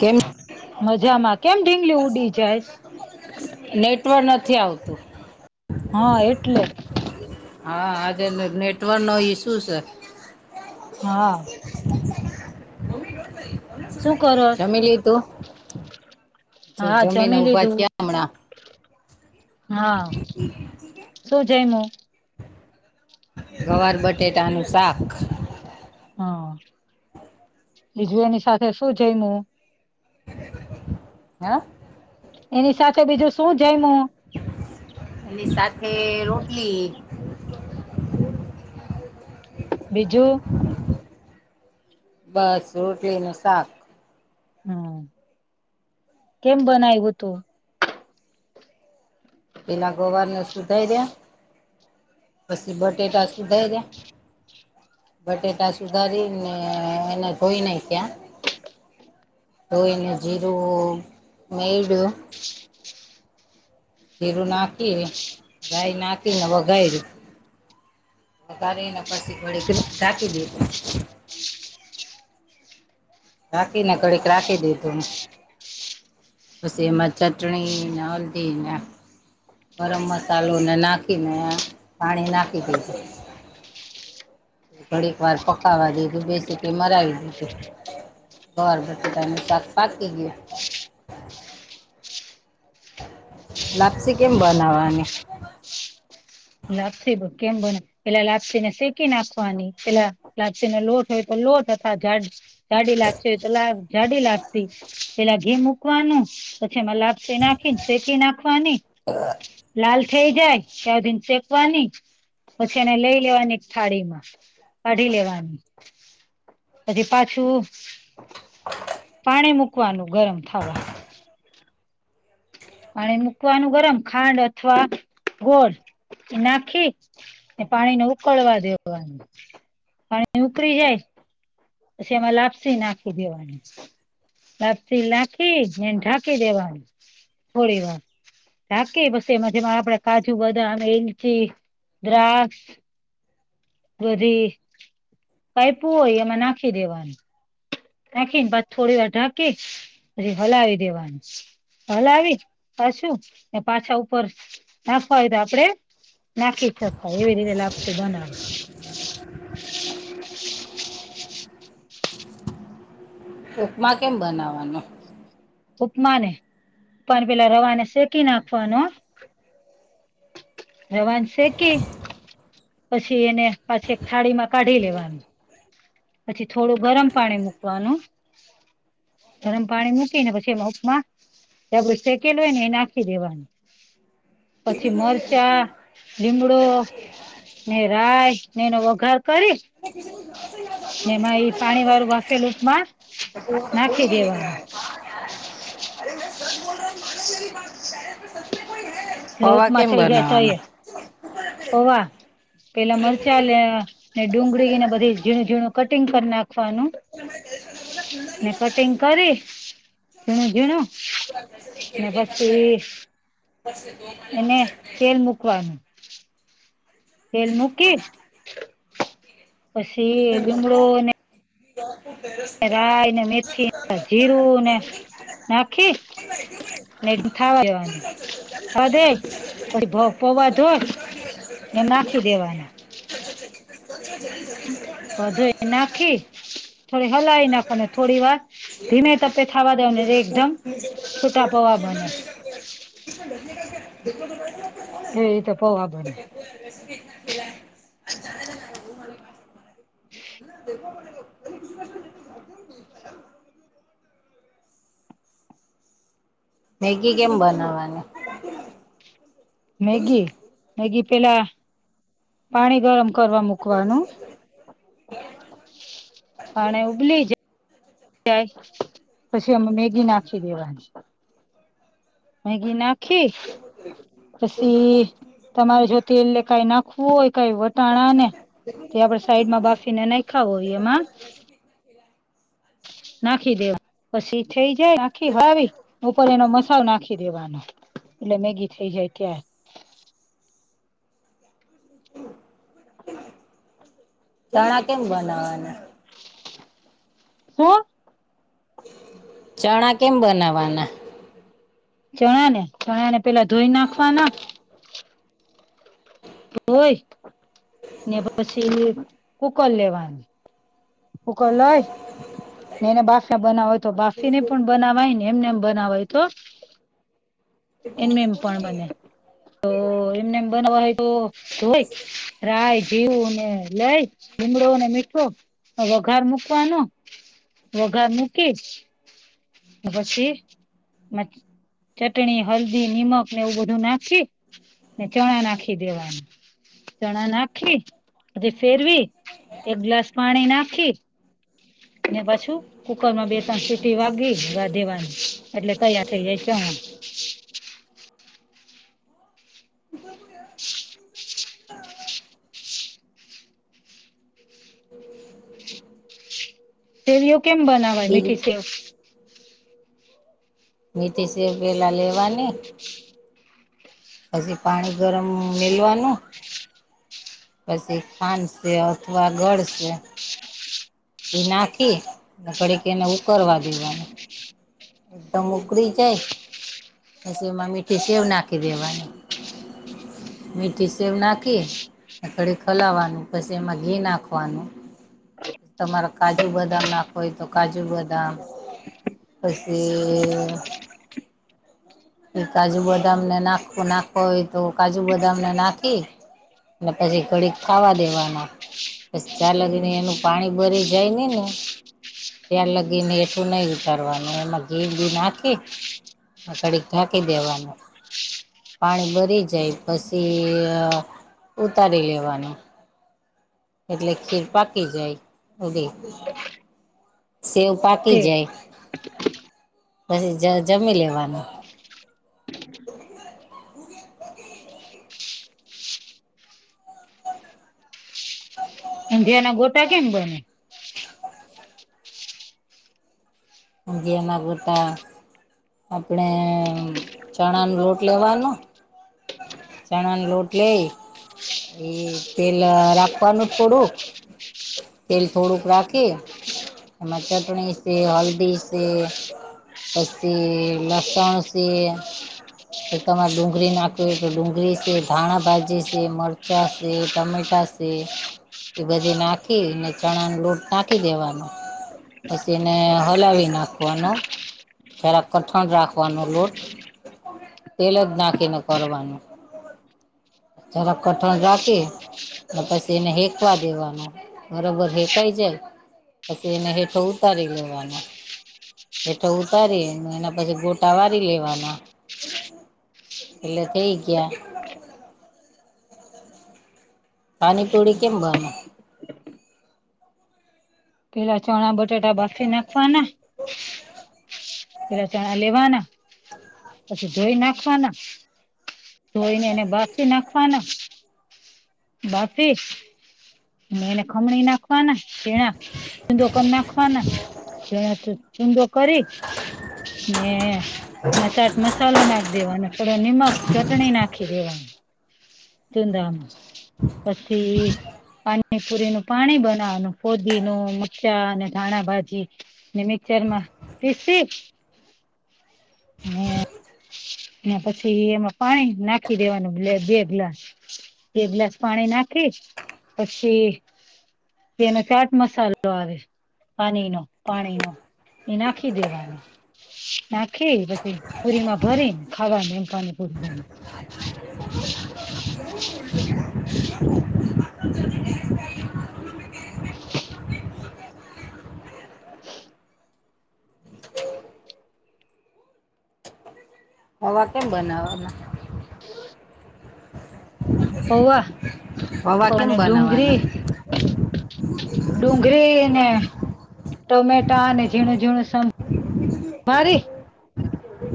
કેમ મજામાં કેમ ઢીંગલી ઉડી જાય. નેટવર્ નથી આવતું. હા એટલે. હા આજે નેટવર્કનો ઇસ્યુ છે. હા. શું કરો? જમી લીધું હા જમીને જમી ઉભા લીધું. થયા હમણાં હા, શું જઈમ? ગવાર બટેટાનું શાક. હા, બીજું એની સાથે શું જાયમુ? હ? એની સાથે બીજું શું જમું? અનેની સાથે રોટલી. બીજું? બસ રોટલી નું શાક. હમ કેમ બનાવ્યું હતું? પેલા ગોવારને સુધાઈ દે, પછી બટેટા સુધાઈ દે. બટેટા સુધારી ને એને જોઈ નહ ત્યાં. તોઈને જીરરો મેડ. ખીરું નાખી, રાય નાખીનેવ વધારું. તારે એને પછી વળી ઢાકી દીધી. રાખી ને કડીક રાખી દી તું. સીમાં ચટણી ના હલ્દી ના. ગરમ મસાલો ને નાખીને, પાણી નાખી દીધું. થોડીક વાર પકવા દેધું બેસી કે મરાવી દીધું. ગવાર બટેટા નું શાક પાકી ગયું. લાપ્સી કેમ બનાવાની? લાપસી ભ કેમ બોને પેલા લાપસી ને શેકી નાખવાની, પેલા- લીને લોટ હોય તો લોટ અથ ઝાડ. જાડી લાગતી તો લ જાડી લાગતી પેલા ઘે મૂકવાનું. પછી એમાં લાપસી નાખીને શેકી નાખવાની લાલ થઈ જાય ત્યાધી. કવાની પછી એને લઈ લેવાની એક થાળી માં કાઢી લેવાની. પછી પાછું, પાણી મૂકવાનું ગરમ થાવા. પાણી મૂકવાનું ગરમ ખાંડ અથવા ગોળ, એ નાખી. પાણીને ઉકળવા દેવાનું, પાણી ઉકળી જાય. પછી એમાં લાપસી નાખી દેવાની. લપથી નાખી ને ઢાંકી દેવાનું. થોડી વાર રાખ બસ એમાં જેમાં આપડે કાજુ બદામ એલચી. દ્રાક્ષ. બધી પઈપું હોય એમાં નાખી દેવાનું. નાખીને પાછ થોડી વાર ઢાંકી પછી હલાવી દેવાનું. હલ આવી પાછું ને પાછા ઉપર નાખવાય તો આપડે. નાખીાય એવી રીતે લ આપશે બના. [inaudible] મા કેમ બનાવવાનું. ઉપમાને ઉપમાન પેલા રવાને શેકી નાખવાનો. રવાન છેે કે. પછી એને પાછી એક થાળી માં કાઢી લેવાનું. પછી થોડું ગરમ પાણી મૂકવાનું. ગરમ પાણી મૂકીને પછી એમાં ઉપમા. ત્યાં શેકેલ હોય ને એ નાખી દેવાની. પછી મરચાં લીમડો. ને રય ને એનો વઘાર કરી. [unintelligible] ને એમાં એ પાણી વાળું વાફેલુંપમાં નાખી દેવાનું. અરે મે બલ. લોપમાં થઈ જાય તો એ પવા પેલા મરચા લે. ને ડુંગળીને બધી ઝીણું ઝીણું કટિંગ કરી નાખવાનું. ને કટિંગ કરી. ઝીણું ઝીણું ને પછી. પછી તો. એને તેલ મુકવાનું. તેલ મૂકી પછી બીમડો ને. પેરેસ. રાય ને મેથી જીરું ને નાખી. નેટ થાવા જવાનું. થ દે પછી પૌવા ધ હોય એમ નાખી દેવાનુ. [unintelligible] વધધુ એ નાખી. થોડી હલાવી નાખવા થોડી વાર ધીમે તપે થાવા દવા ને એકદમ. ખતાા પવા બન. એ તો પોવા બોને. હમ. [unintelligible] મેગી કેમ બનાવાની. મેગી મેગી પેલા. પાણી ગરમ કરવા મૂકવાનું. અને ઉબલી જ. ત પછી અમે મેગી નાખી દેવાની છે. મગી નાખી. પછી તમારે જો તે એલે કઈ નાખવું હોય કઈ વટાણા ને તે આપડણે સાઈડમાં બાફીને ના ખાવો હો એમાં નાખી દેવા. પછી થઇ જાય આખી હ આવી ઉપર એનો મસાલ નાખી દેવાનો. એટલે મેગી થઇ જાય ક્યાં. ચણા કેમ બનાવવાના. શુ. ચણા કેમ બનાવાના. ચણા ને ચણા ને પેલા ધોઈ નાખવા ના. હોય ને પછી કુકર લેવાની હો લય ને એને બાસ બનાવય તો બાસી ને પણ બનાવાય ને એમને એમ બનાવાય તો એમ એમ પણ બને તો એમને એમ બનાવા હોય તો જોય રાય જીવું ને લઈ. લીગડો અને મીઠો વઘાર મૂકવાનો વઘાર મૂકી. પછી ચટણી હલ્દી નિમક ને એવું બધું નાખી ને ચણા નાખી દેવાનું. ચણા નાખી અને ફેરવી એક ગ્લાસ પાણી નાખી. ને પાછું. કુકર માં બેસણ સીટી વાગી દેવાની એટલે તૈયાર થઇ જાય ચણ સેવીઓ કેમ બનાવાય બીજી મીઠી સેવ. મીઠી સેવ પલા લેવાની. પછી પાણી ગરમ મેેલવાનું. પછી કાનસે અથવા ગળસે એ નાખી ઘડી કે એને ઉ કરવારવા દેવાનું. એકદમ ઉકળી છે જસ એમાં મઠ્ઠી સબ નાખી દેવાની. મીઠી સેવ નાખી. ખડી ખોલાવાનું પછી એમાં ઘી નાખવાનુ તમારે કાજુ બદામ નાખો હોય તો કાજુ બદામ પછી એ કાજુ બદામને નાખ નાખ હોય તો કાજુ બદામને નાખી એટલે પછી ઘડીક ખાવા દેવાની. બસ ચાાલકને એનું પાણી ભરી જાય ને ને તાર લગી ને એઠું નહી ઉતરવાનું. એમાં ઘી બી નાખી કડીક ઢાંકી દેવાનું. પાણી ભરી જાય પછી ઉતારી લેવાનું. એટલે ખીર પાકી જાય ઉ સેવ. પાકી સેવ જાય પછી જમી લેવાનું. એ. અધિયા ના ગોટા કેમ બને જે એમાં બટા આપણેે ચણા ન લોટ લેવાનો. ચણાને લોટ લઈ. એ તેલ રાખવાનું થોડું તેલ થોડુંક રાખીએ. એમાં ચટણી છે હલ્દી છે. પછી લસણ સ પી તમારે ડુંગળી નાખ તો ડુંગળી છે ધાણા ભાજી છે મરચાં છે ટમેટા છે એ બધે નાખી ને ચણા ન લોટ નાખી દેવાનો પછી એને હલાવી નાખવાના. જરા કઠણ રાખવાનો લોટ તેલ જ નાખીને કરવાનું. જરા કઠણ રાખી ને પછી એને હેકવા દેવાનું. બરોબર હેકાય જાય પછી એને હેઠે ઉતારી લેવાનું. પેઠો ઉતારીને એના પછી ગોટા વારી લેવાના. એલે થઠી ગયા. પાણીપૂડી કેમ ભરમે. પેલા ચણા બટેટા બાસી નાખવાના. [inaudible] પેહલા ચણા લેવાના પછી ધોઈ નાખવાના. ધોઈને એને બાફી નાખવાના. બાફી એને ખમણી ના ખવાના ઝીણા છુંદો કર નાખવાના છુંદો કરી ને એમાં ચાટ મસાલો નાખ દેવાનો, થોડો નિમક ચટણી નાખી દેવાનું. [unintelligible] હ. પછી પાણીપુરીનું પાણી બનાવાનું, ફોદીનો, મરચાંને ધાણા ભાજી. ને મિક્સરમાં પીસી ને ને પછી એમાં પાણી નાખી દેવાનું બ બે ગ્લાસ. બે ગ્લાસ પાણી નાખી પછી એનો ચાટ મસાલો આવે. પાનીનો પાણીનો એ નાખી દેવાનો. નાખી પછી પુરીમાં ભરીને ખાવાનું એમ ખાવાની પુરી ભરીને. હવાર કેમ બનાવામાં. પૌવા. હવા કેમ અને બનાવાના. ડુંગળી ડુંગળી ને ટમેટાને ઝીણું-ઝીણું સ [inaudible]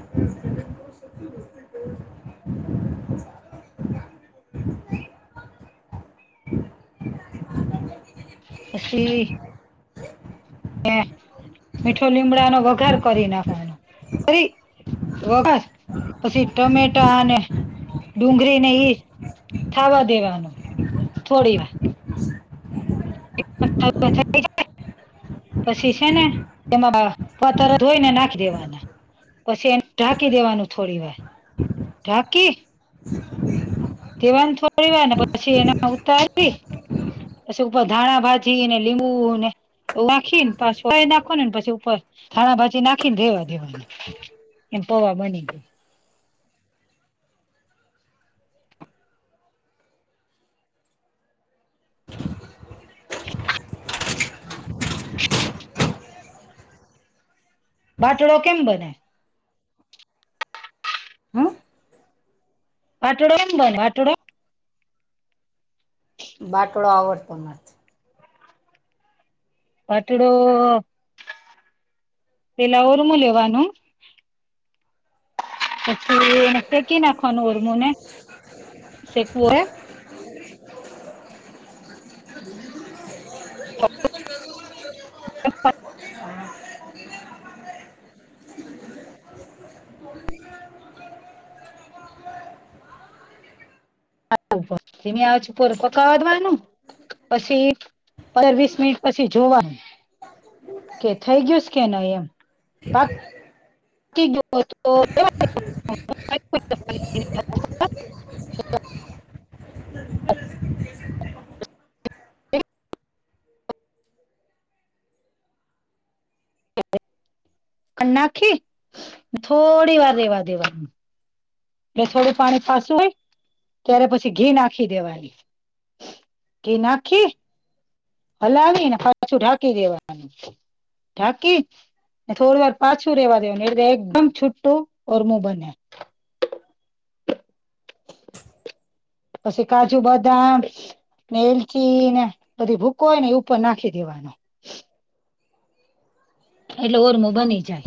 હમ. પછી ને મીઠો લીમડાનો વઘાર કરી નાખવાનો કરી. વઘાર, પછી ટમેટાને ડુંગળી ને ઈ થાવા દેવાનું થોડી વાર. [inaudible] પછી શે ને એમાં પતર ધોઈને નાખી દેવાના. પસી એને ઢાંકી દેવાનું થોડીવાર ઢાંકી. દેવાન થોડીવાર ને પછી એને ઉતારી પછી ઉપર ધાણાભાજીને લીંબુને નાખી ને પાછું હુકાવીને પછી ઉપર ધાણાભાજી નાખીન રેવા દેવાનું. એમ પૌવા બની ગઈ. બાટડો કેમ બને? હ? પાટોડો કે બને પાટડો? બાટડો આવો જ [unintelligible] પાટડો પેલા ઉરમું લેવાનું. પછી એન શેકી નાખવાનું ઉરમુંને શેકવું એ [inaudible] [inaudible] ધીમી આંચ પર પક્કડવા નું પછી પંદર વીસ મિનિટ પછી જોવાનું કે થઈ ગયું છે કે નહીં એમ એ તો [inaudible] ત [inaudible] [unintelligible] અન નાખી અન થોડીવાર રહેવા દેવાનું. એ થોડું પાણી પાસું હોય ત્યારે પછી ઘી નાખી દેવાનું. કે નાખી હલાવીને પાછું ઢાંકી દેવાનું ઠાકી થોડી વાર પાછું રેવા દેવા ને એટલે એકદમ છુટું ચુરમુ બને પછી કાજુ બદામ ને એલચી ને બધી ભૂકો હોય ને એ ઉપર નાખી દેવાનો. [inaudible] એટલે ઓરમો બની જાય.